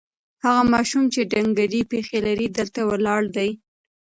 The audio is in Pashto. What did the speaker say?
هغه ماشوم چې ډنګرې پښې لري، دلته ولاړ دی.